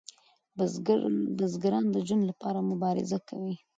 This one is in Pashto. بزګران د ژوند لپاره مبارزه کوي.